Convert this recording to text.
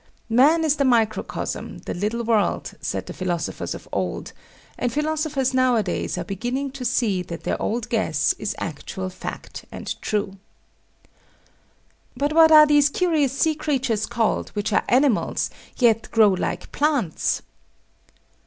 Man is the microcosm, the little world, said the philosophers of old; and philosophers nowadays are beginning to see that their old guess is actual fact and true. But what are these curious sea creatures called, which are animals, yet grow like plants?